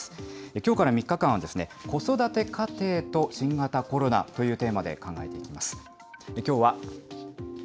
きょうから３日間は、子育て家庭と新型コロナというテーマで考えていきます。